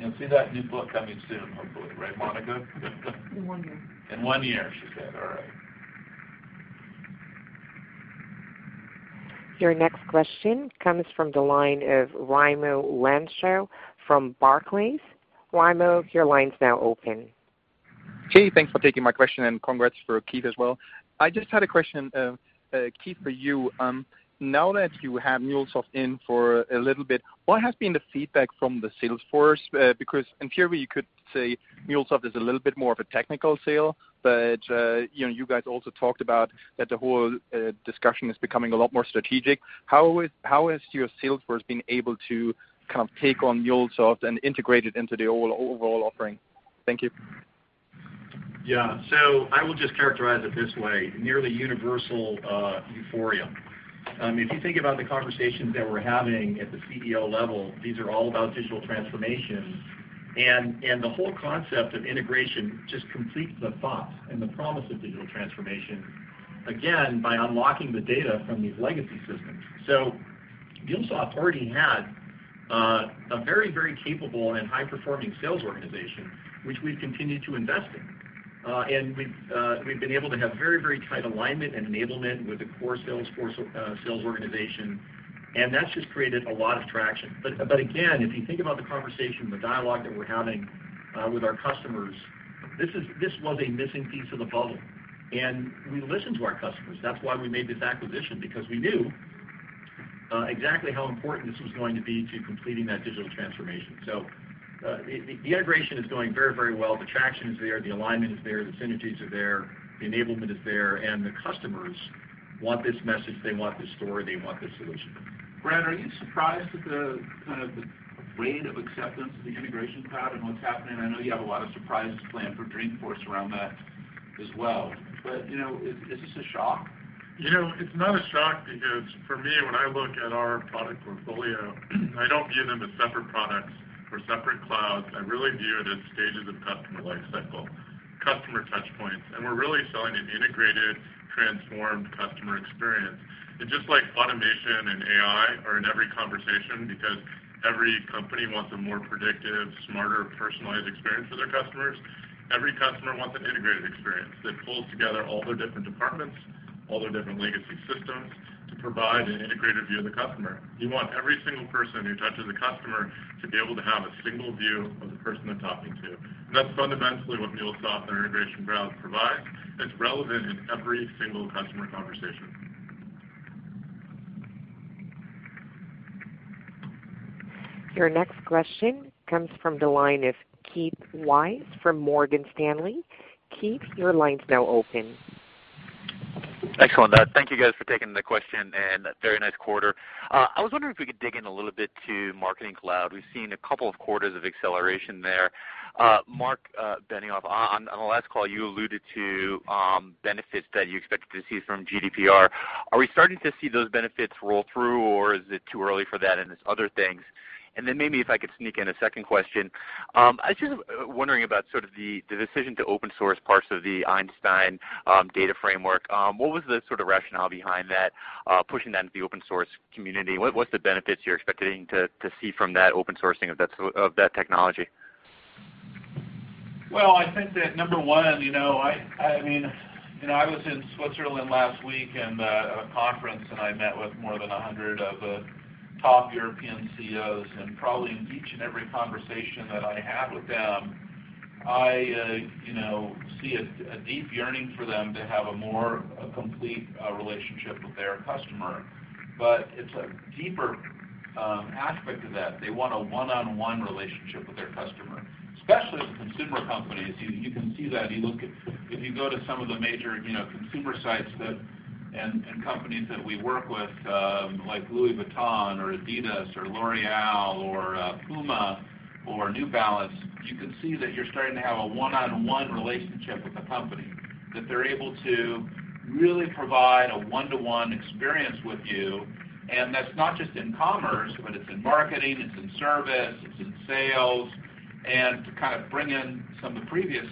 You'll see that new book coming soon, hopefully. Right, Monica?
In one year.
In one year, she said. All right.
Your next question comes from the line of Raimo Lenschow from Barclays. Raimo, your line's now open.
Hey, thanks for taking my question, and congrats for Keith as well. I just had a question, Keith, for you. Now that you have MuleSoft in for a little bit, what has been the feedback from the Salesforce? Because in theory, you could say MuleSoft is a little bit more of a technical sale, but you guys also talked about that the whole discussion is becoming a lot more strategic. How has your Salesforce been able to kind of take on MuleSoft and integrate it into the overall offering? Thank you.
Yeah. I will just characterize it this way, nearly universal euphoria. If you think about the conversations that we're having at the CEO level, these are all about digital transformation, and the whole concept of integration just completes the thought and the promise of digital transformation, again, by unlocking the data from these legacy systems. MuleSoft already had a very, very capable and high-performing sales organization, which we've continued to invest in. We've been able to have very, very tight alignment and enablement with the core Salesforce sales organization, and that's just created a lot of traction. Again, if you think about the conversation, the dialogue that we're having with our customers, this was a missing piece of the puzzle, and we listen to our customers. That's why we made this acquisition, because we knew exactly how important this was going to be to completing that digital transformation. The integration is going very well. The traction is there, the alignment is there, the synergies are there, the enablement is there, and the customers want this message. They want this story. They want this solution.
Bret, are you surprised at the rate of acceptance of the Integration Cloud and what's happening? I know you have a lot of surprises planned for Dreamforce around that as well, is this a shock?
It's not a shock because, for me, when I look at our product portfolio, I don't view them as separate products or separate clouds. I really view it as stages of customer lifecycle, customer touchpoints, and we're really selling an integrated, transformed customer experience. Just like automation and AI are in every conversation, because every company wants a more predictive, smarter, personalized experience for their customers, every customer wants an integrated experience that pulls together all their different departments, all their different legacy systems, to provide an integrated view of the customer. You want every single person who touches a customer to be able to have a single view of the person they're talking to, and that's fundamentally what MuleSoft and our Integration Cloud provides. It's relevant in every single customer conversation.
Your next question comes from the line of Keith Weiss from Morgan Stanley. Keith, your line's now open.
Excellent. Thank you guys for taking the question. Very nice quarter. I was wondering if we could dig in a little bit to Marketing Cloud. We've seen a couple of quarters of acceleration there. Marc Benioff, on the last call, you alluded to benefits that you expected to see from GDPR. Are we starting to see those benefits roll through, or is it too early for that, and it's other things? Maybe if I could sneak in a second question. I was just wondering about the decision to open source parts of the Einstein Data Framework. What was the rationale behind that, pushing that into the open source community? What's the benefits you're expecting to see from that open sourcing of that technology?
Well, I think that number 1, I was in Switzerland last week at a conference, and I met with more than 100 of the top European CEOs, and probably in each and every conversation that I had with them, I see a deep yearning for them to have a more complete relationship with their customer. It's a deeper aspect of that. They want a one-on-one relationship with their customer, especially with consumer companies. You can see that if you go to some of the major consumer sites and companies that we work with, like Louis Vuitton or Adidas or L'Oreal or Puma or New Balance, you can see that you're starting to have a one-on-one relationship with the company. That they're able to really provide a one-to-one experience with you, and that's not just in commerce, but it's in marketing, it's in service, it's in sales. To bring in some of the previous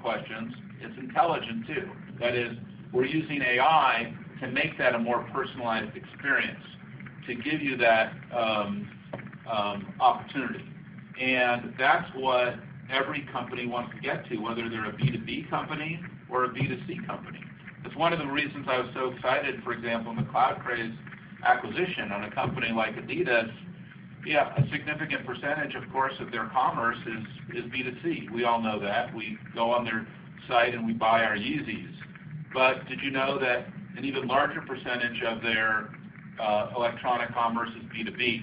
questions, it's intelligent too. That is, we're using AI to make that a more personalized experience, to give you that opportunity. That's what every company wants to get to, whether they're a B2B company or a B2C company. It's one of the reasons I was so excited, for example, on the CloudCraze acquisition, on a company like Adidas. Yeah, a significant percentage, of course, of their commerce is B2C. We all know that. We go on their site, and we buy our Yeezy. Did you know that an even larger percentage of their electronic commerce is B2B?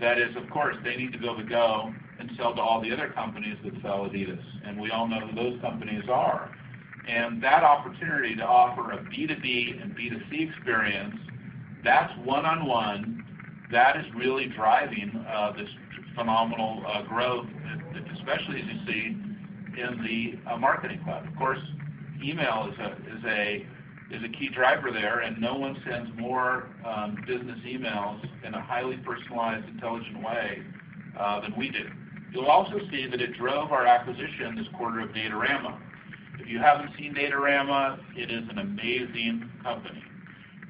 That is, of course, they need to be able to go and sell to all the other companies that sell Adidas, and we all know who those companies are. That opportunity to offer a B2B and B2C experience, that's one-on-one. That is really driving this phenomenal growth, especially as you see in the Marketing Cloud. Of course, email is a key driver there, and no one sends more business emails in a highly personalized, intelligent way than we do. You'll also see that it drove our acquisition this quarter of Datorama. If you haven't seen Datorama, it is an amazing company.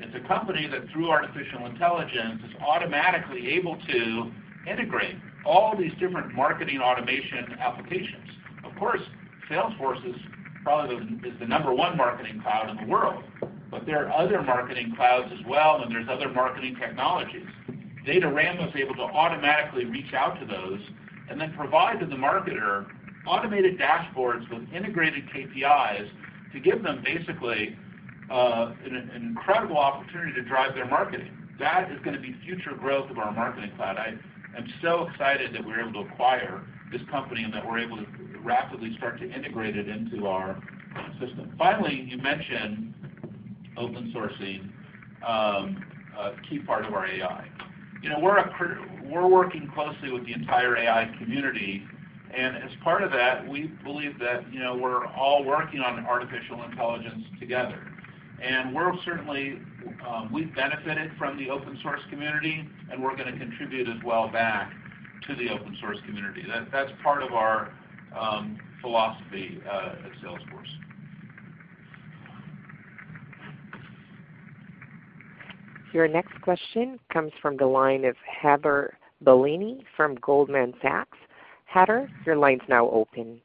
It's a company that, through artificial intelligence, is automatically able to integrate all these different marketing automation applications. Of course, Salesforce is the number one Marketing Cloud in the world, but there are other Marketing Clouds as well, and there's other marketing technologies. Datorama is able to automatically reach out to those and then provide to the marketer automated dashboards with integrated KPIs to give them basically an incredible opportunity to drive their marketing. That is going to be future growth of our Marketing Cloud. I am so excited that we were able to acquire this company, and that we're able to rapidly start to integrate it into our system. Finally, you mentioned open sourcing a key part of our AI. We're working closely with the entire AI community, and as part of that, we believe that we're all working on artificial intelligence together. We've benefited from the open source community, and we're going to contribute as well back to the open source community. That's part of our philosophy at Salesforce.
Your next question comes from the line of Heather Bellini from Goldman Sachs. Heather, your line's now open.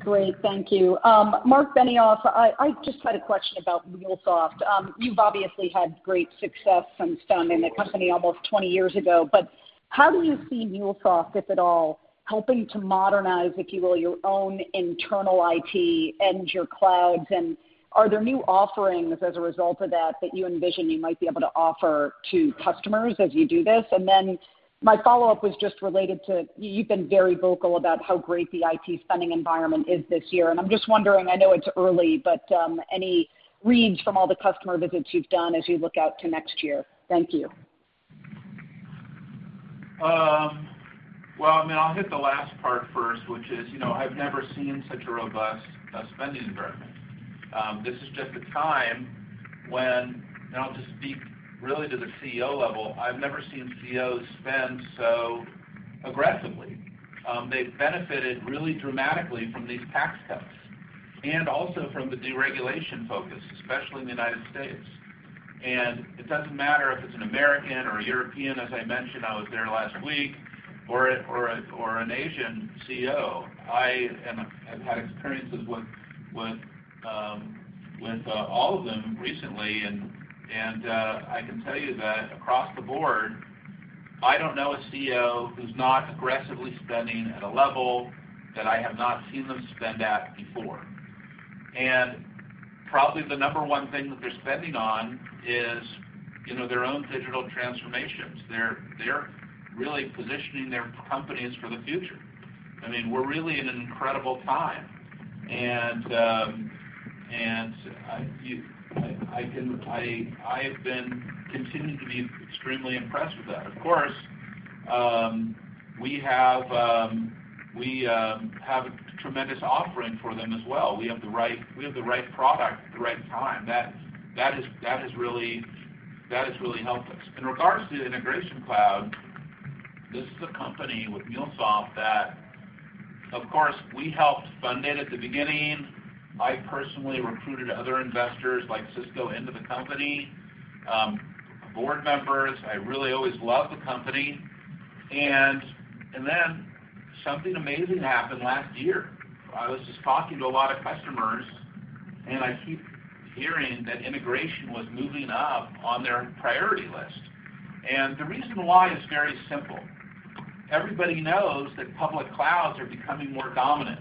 Great. Thank you. Marc Benioff, I just had a question about MuleSoft. You've obviously had great success since founding the company almost 20 years ago, but how do you see MuleSoft, if at all, helping to modernize, if you will, your own internal IT and your clouds? Are there new offerings as a result of that you envision you might be able to offer to customers as you do this? My follow-up was just related to, you've been very vocal about how great the IT spending environment is this year, and I'm just wondering, I know it's early, but any reads from all the customer visits you've done as you look out to next year? Thank you.
I'll hit the last part first, which is, I've never seen such a robust spending environment. This is just a time when, I'll just speak really to the CEO level, I've never seen CEOs spend so aggressively. They've benefited really dramatically from these tax cuts, and also from the deregulation focus, especially in the U.S. It doesn't matter if it's an American or a European, as I mentioned, I was there last week, or an Asian CEO. I have had experiences with all of them recently, and I can tell you that across the board, I don't know a CEO who's not aggressively spending at a level that I have not seen them spend at before. Probably the number one thing that they're spending on is their own digital transformations. They're really positioning their companies for the future. We're really in an incredible time. I have been continuing to be extremely impressed with that. Of course, we have a tremendous offering for them as well. We have the right product at the right time. That has really helped us. In regards to the Integration Cloud, this is a company with MuleSoft that, of course, we helped fund it at the beginning. I personally recruited other investors, like Cisco, into the company, board members. I really always loved the company. Something amazing happened last year. I was just talking to a lot of customers, and I keep hearing that integration was moving up on their priority list. The reason why is very simple. Everybody knows that public clouds are becoming more dominant.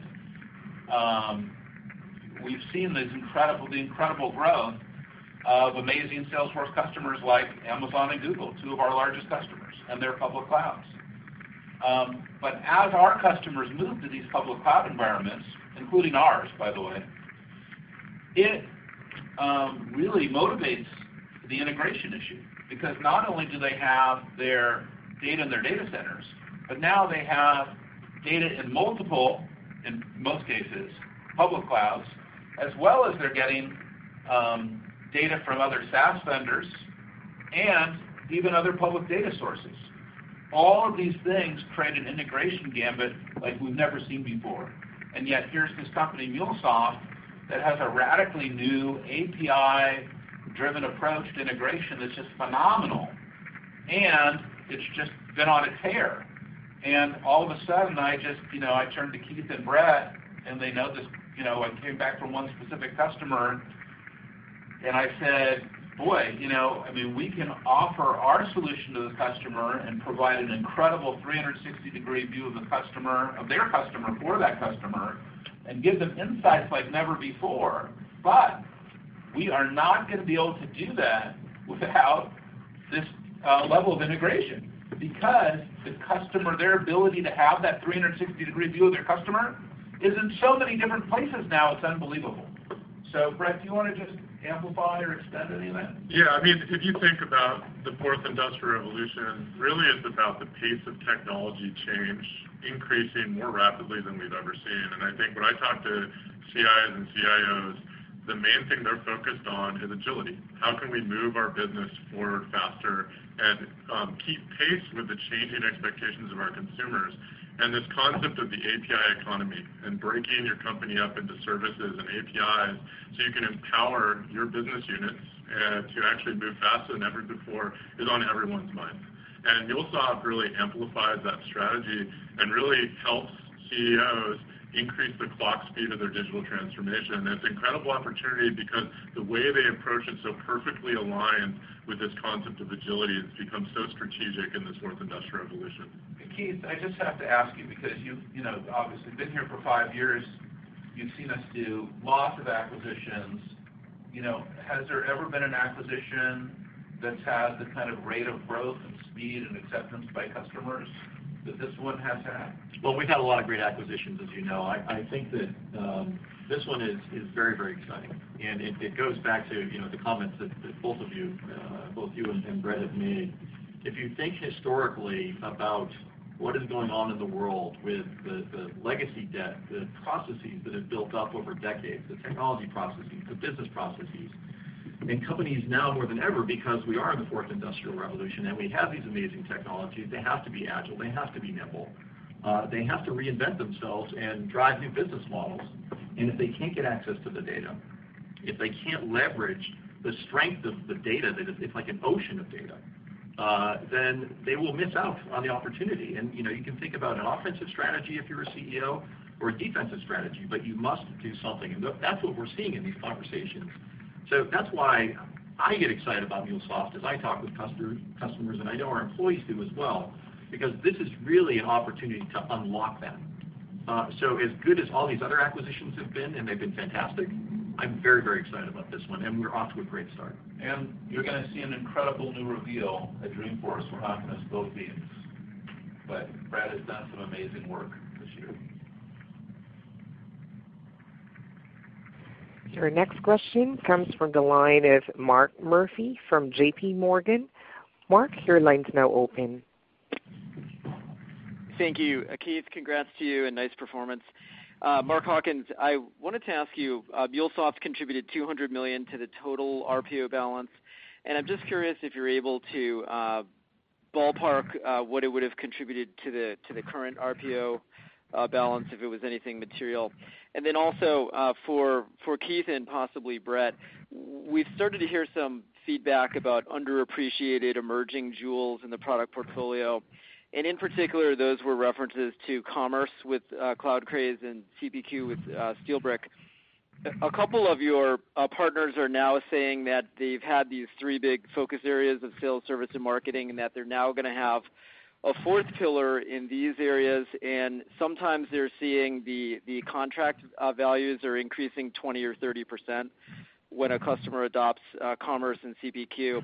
We've seen the incredible growth of amazing Salesforce customers like Amazon and Google, two of our largest customers, and their public clouds. As our customers move to these public cloud environments, including ours, by the way, it really motivates the integration issue because not only do they have their data in their data centers, but now they have data in multiple, in most cases, public clouds, as well as they're getting data from other SaaS vendors and even other public data sources. All of these things create an integration gambit like we've never seen before. Yet, here's this company, MuleSoft, that has a radically new API-driven approach to integration that's just phenomenal, and it's just been on its heels. I turned to Keith and Bret, and I came back from one specific customer, and I said, "Boy, we can offer our solution to the customer and provide an incredible 360-degree view of their customer for that customer and give them insights like never before. We are not going to be able to do that without this level of integration," because the customer, their ability to have that 360-degree view of their customer is in so many different places now, it's unbelievable. Bret, do you want to just amplify or extend any of that?
Yeah. If you think about the Fourth Industrial Revolution, really, it's about the pace of technology change increasing more rapidly than we've ever seen. I think when I talk to CIs and CIOs, the main thing they're focused on is agility. How can we move our business forward faster and keep pace with the changing expectations of our consumers? This concept of the API economy and breaking your company up into services and APIs so you can empower your business units to actually move faster than ever before is on everyone's mind. MuleSoft really amplifies that strategy and really helps CEOs increase the clock speed of their digital transformation. It's an incredible opportunity because the way they approach it so perfectly aligned with this concept of agility, and it's become so strategic in this Fourth Industrial Revolution.
Keith, I just have to ask you because you've obviously been here for five years. You've seen us do lots of acquisitions. Has there ever been an acquisition that's had the kind of rate of growth and speed and acceptance by customers that this one has had?
Well, we've had a lot of great acquisitions, as you know. I think that this one is very exciting. It goes back to the comments that both you and Bret have made. If you think historically about what is going on in the world with the legacy debt, the processes that have built up over decades, the technology processes, the business processes. Companies now, more than ever, because we are in the Fourth Industrial Revolution, and we have these amazing technologies, they have to be agile, they have to be nimble. They have to reinvent themselves and drive new business models. If they can't get access to the data, if they can't leverage the strength of the data, it's like an ocean of data, then they will miss out on the opportunity. You can think about an offensive strategy if you're a CEO or a defensive strategy, but you must do something. That's what we're seeing in these conversations. That's why I get excited about MuleSoft as I talk with customers, and I know our employees do as well, because this is really an opportunity to unlock that. As good as all these other acquisitions have been, and they've been fantastic, I'm very excited about this one, and we're off to a great start.
You're going to see an incredible new reveal at Dreamforce. We're not going to spill the beans, Bret has done some amazing work this year.
Your next question comes from the line of Mark Murphy from JPMorgan. Mark, your line's now open.
Thank you. Keith, congrats to you and nice performance. Mark Hawkins, I wanted to ask you, MuleSoft contributed $200 million to the total RPO balance, I'm just curious if you're able to ballpark what it would have contributed to the current RPO balance, if it was anything material. Then also, for Keith and possibly Bret, we've started to hear some feedback about underappreciated emerging jewels in the product portfolio. In particular, those were references to commerce with CloudCraze and CPQ with SteelBrick. A couple of your partners are now saying that they've had these three big focus areas of sales, service, and marketing, they're now going to have a fourth pillar in these areas, sometimes they're seeing the contract values are increasing 20% or 30% when a customer adopts commerce and CPQ.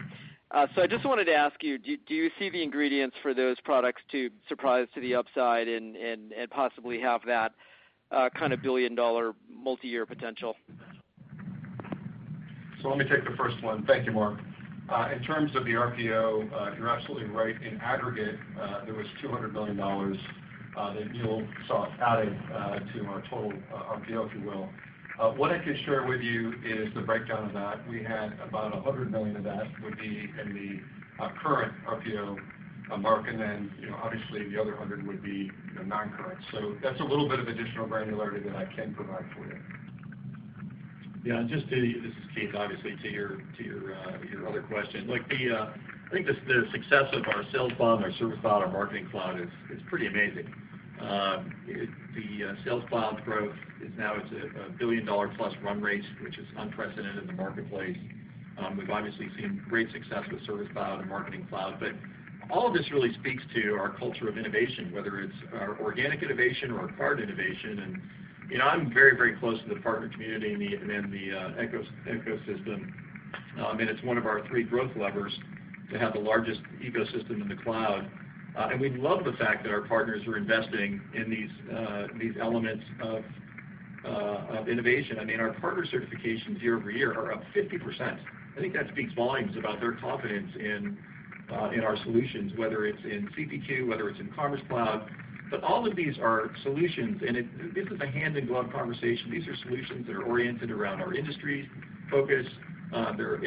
I just wanted to ask you, do you see the ingredients for those products to surprise to the upside and possibly have that kind of billion-dollar multi-year potential?
Let me take the first one. Thank you, Mark. In terms of the RPO, you're absolutely right. In aggregate, there was $200 million that MuleSoft added to our total RPO, if you will. What I can share with you is the breakdown of that. We had about $100 million of that would be in the current RPO mark, and then obviously the other $100 million would be non-current. That's a little bit of additional granularity that I can provide for you.
This is Keith, obviously, to your other question. I think the success of our Sales Cloud, our Service Cloud, our Marketing Cloud is pretty amazing. The Sales Cloud growth is now, it's a billion-dollar-plus run rate, which is unprecedented in the marketplace. We've obviously seen great success with Service Cloud and Marketing Cloud. All of this really speaks to our culture of innovation, whether it's our organic innovation or acquired innovation. I'm very close to the partner community and the ecosystem, and it's one of our three growth levers to have the largest ecosystem in the cloud. We love the fact that our partners are investing in these elements of innovation. Our partner certifications year-over-year are up 50%. I think that speaks volumes about their confidence in our solutions, whether it's in CPQ, whether it's in Commerce Cloud. All of these are solutions, and this is a hand-in-glove conversation. These are solutions that are oriented around our industry focus. They're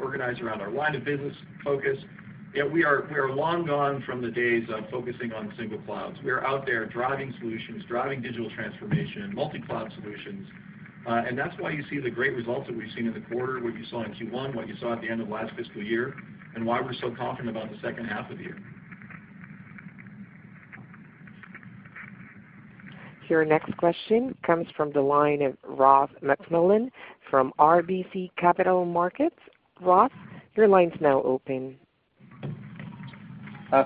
organized around our line of business focus. We are long gone from the days of focusing on single clouds. We are out there driving solutions, driving digital transformation, multi-cloud solutions. That's why you see the great results that we've seen in the quarter, what you saw in Q1, what you saw at the end of last fiscal year, and why we're so confident about the second half of the year.
Your next question comes from the line of Ross MacMillan from RBC Capital Markets. Ross, your line's now open.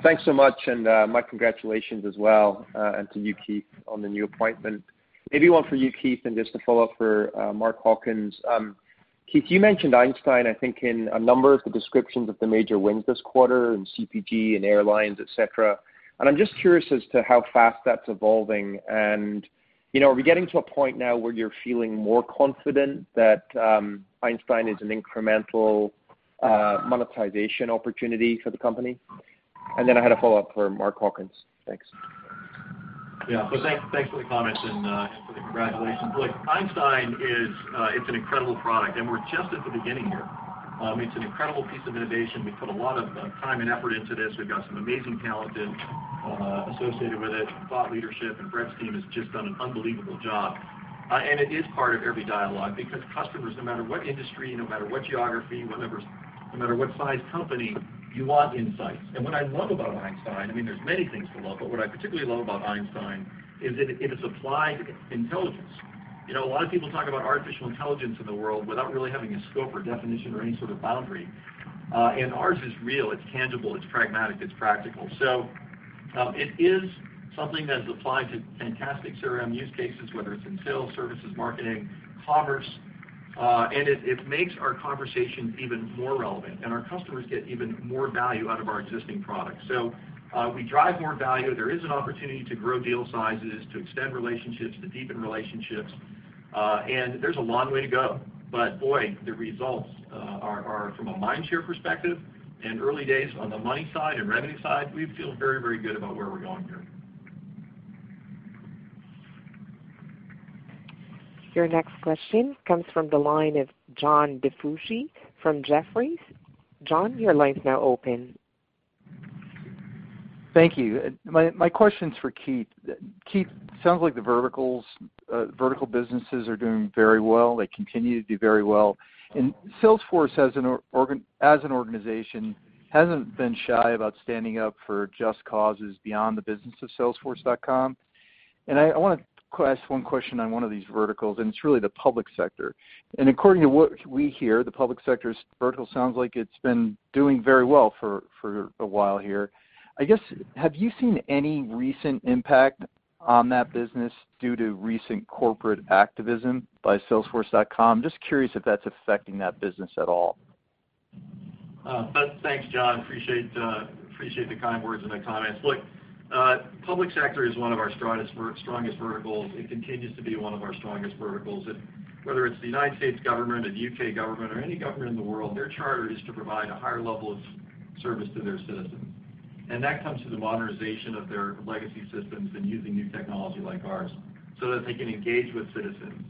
Thanks so much, my congratulations as well, and to you, Keith, on the new appointment. Maybe one for you, Keith, and just a follow-up for Mark Hawkins. Keith, you mentioned Einstein, I think, in a number of the descriptions of the major wins this quarter in CPG and airlines, et cetera, I'm just curious as to how fast that's evolving. Are we getting to a point now where you're feeling more confident that Einstein is an incremental monetization opportunity for the company? I had a follow-up for Mark Hawkins. Thanks.
Yeah. Well, thanks for the comments and for the congratulations. Look, Einstein is an incredible product, and we're just at the beginning here. It's an incredible piece of innovation. We put a lot of time and effort into this. We've got some amazing talent associated with it. Thought leadership, Bret's team has just done an unbelievable job. It is part of every dialogue because customers, no matter what industry, no matter what geography, no matter what size company, you want insights. What I love about Einstein, there's many things to love, but what I particularly love about Einstein is that it is applied intelligence. A lot of people talk about artificial intelligence in the world without really having a scope or definition or any sort of boundary. Ours is real, it's tangible, it's pragmatic, it's practical. It is something that is applied to fantastic CRM use cases, whether it's in sales, services, marketing, commerce, and it makes our conversations even more relevant, and our customers get even more value out of our existing products. We drive more value. There is an opportunity to grow deal sizes, to extend relationships, to deepen relationships. There's a long way to go. Boy, the results are from a mindshare perspective and early days on the money side and revenue side, we feel very good about where we're going here.
Your next question comes from the line of John DiFucci from Jefferies. John, your line is now open.
Thank you. My question's for Keith. Keith, sounds like the vertical businesses are doing very well. They continue to do very well. Salesforce, as an organization, hasn't been shy about standing up for just causes beyond the business of salesforce.com. I want to ask one question on one of these verticals, and it's really the public sector. According to what we hear, the public sector's vertical sounds like it's been doing very well for a while here. I guess, have you seen any recent impact on that business due to recent corporate activism by salesforce.com? Just curious if that's affecting that business at all.
Thanks, John. Appreciate the kind words and the comments. Look, public sector is one of our strongest verticals. It continues to be one of our strongest verticals. Whether it's the United States government, the U.K. government, or any government in the world, their charter is to provide a higher level of service to their citizens. That comes through the modernization of their legacy systems and using new technology like ours so that they can engage with citizens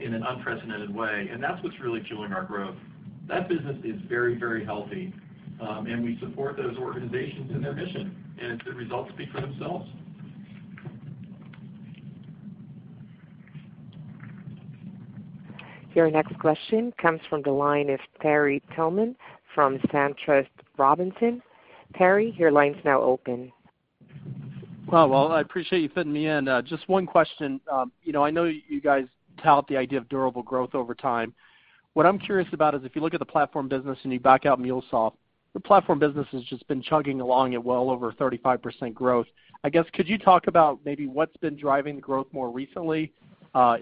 in an unprecedented way. That's what's really fueling our growth. That business is very, very healthy, and we support those organizations in their mission, and the results speak for themselves.
Your next question comes from the line of Terry Tillman from SunTrust Robinson Humphrey. Terry, your line's now open.
Well, I appreciate you fitting me in. Just one question. I know you guys tout the idea of durable growth over time. What I'm curious about is if you look at the platform business and you back out MuleSoft, the platform business has just been chugging along at well over 35% growth. I guess, could you talk about maybe what's been driving the growth more recently,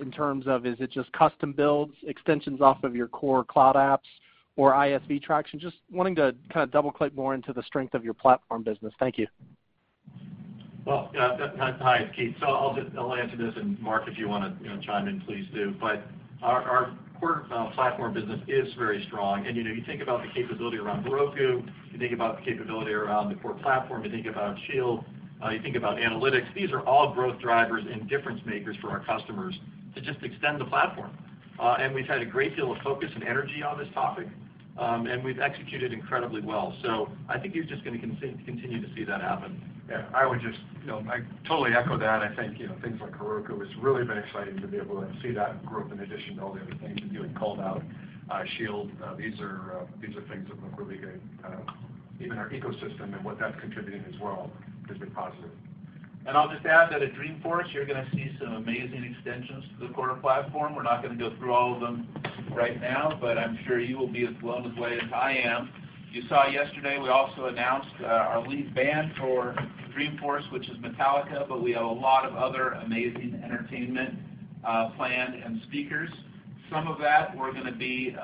in terms of, is it just custom builds, extensions off of your core cloud apps, or ISV traction? Just wanting to double-click more into the strength of your platform business. Thank you.
Well, yeah. Hi, it's Keith. I'll answer this. Mark, if you want to chime in, please do. Our core platform business is very strong, and you think about the capability around Heroku, you think about the capability around the core platform, you think about Shield, you think about analytics. These are all growth drivers and difference makers for our customers to just extend the platform. We've had a great deal of focus and energy on this topic, and we've executed incredibly well. I think you're just going to continue to see that happen.
Yeah, I totally echo that. I think things like Heroku, it's really been exciting to be able to see that growth in addition to all the other things that you had called out. Shield, these are things that look really good. Even our ecosystem and what that's contributing as well has been positive.
I'll just add that at Dreamforce, you're going to see some amazing extensions to the core platform. We're not going to go through all of them right now, but I'm sure you will be as blown away as I am. You saw yesterday, we also announced our headlining band for Dreamforce, which is Metallica. We have a lot of other amazing entertainment planned, and speakers. Some of that we're going to be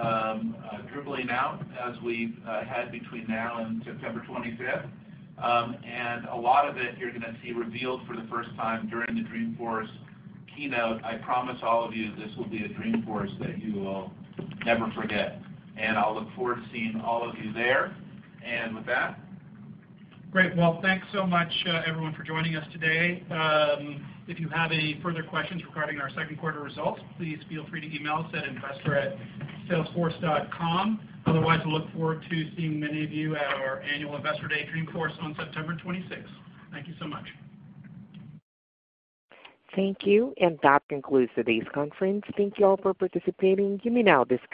dribbling out as we head between now and September 25th. A lot of it you're going to see revealed for the first time during the Dreamforce keynote. I promise all of you, this will be a Dreamforce that you will never forget. I'll look forward to seeing all of you there. With that
Great. Well, thanks so much everyone for joining us today. If you have any further questions regarding our second quarter results, please feel free to email us at investor@salesforce.com. Otherwise, we look forward to seeing many of you at our annual Investor Day Dreamforce on September 26th. Thank you so much.
Thank you. That concludes today's conference. Thank you all for participating. You may now disconnect.